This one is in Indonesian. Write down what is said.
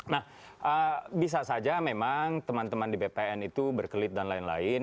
nah bisa saja memang teman teman di bpn itu berkelit dan lain lain